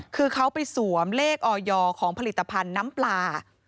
คือเขาไปสวมเลขออยของผลิตภัณฑ์น้ำปลา